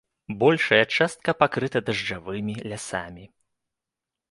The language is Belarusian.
Большая частка пакрыта дажджавымі лясамі.